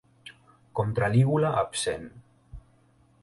Contra-lígula absent.